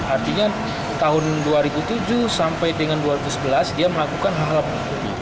artinya tahun dua ribu tujuh sampai dengan dua ribu sebelas dia melakukan hal hal begitu